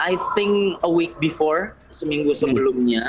i think a week before seminggu sebelumnya